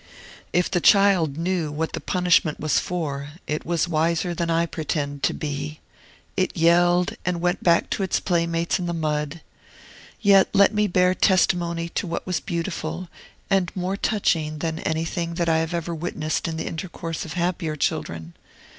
If the child knew what the punishment was for, it was wiser than I pretend to be. It yelled, and went back to its playmates in the mud. Yet let me bear testimony to what was beautiful, and more touching than anything that I ever witnessed in the intercourse of happier children.